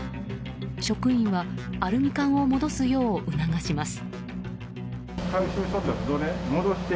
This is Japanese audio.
職員はアルミ缶を戻すよう促します。